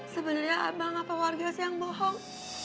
sebenernya abang apa warga siang bohong